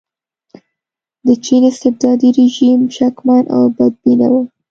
د چین استبدادي رژیم شکمن او بدبینه و.